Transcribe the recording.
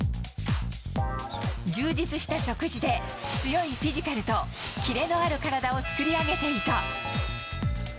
充実した食事で強いフィジカルとキレのある体を作り上げていた。